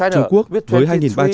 trung quốc với hai ba trăm linh